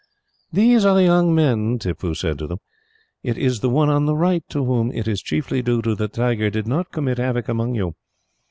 "These are the young men," Tippoo said to them. "It is the one on the right to whom it is chiefly due that the tiger did not commit havoc among you.